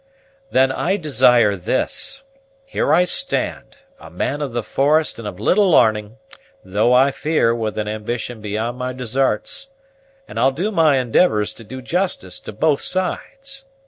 "Then I desire this. Here I stand, a man of the forest and of little larning, though I fear with an ambition beyond my desarts, and I'll do my endivors to do justice to both sides.